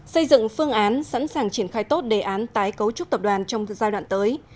xây dựng phương án sẵn sàng triển khai tốt đề án tái cấu trúc tập đoàn trong giai đoạn tới